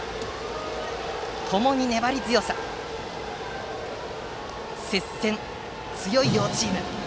ともに粘り強く接戦に強い両チーム。